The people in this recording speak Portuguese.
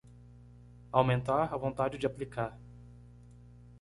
Aumentar a vontade de aplicar